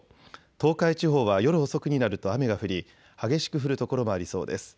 東海地方は夜遅くになると雨が降り激しく降る所もありそうです。